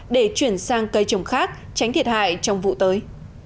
để chuyển sang cây trồng khác tránh thiệt hại trong vụ tới